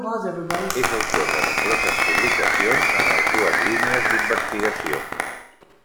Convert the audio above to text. És autor de nombroses publicacions en les dues línies d'investigació.